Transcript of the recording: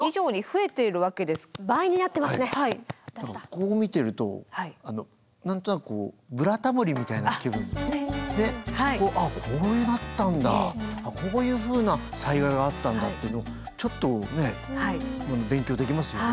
こう見てると何となくあっこうなったんだこういうふうな災害があったんだっていうのをちょっとねえ勉強できますよね。